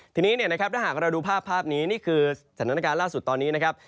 ที่นี่ถ้าหากเราดูภาพนี้คือสถานการณ์ล่าสุดตอนนี้